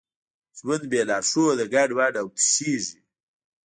ژوند بېلارښوده ګډوډ او تشېږي.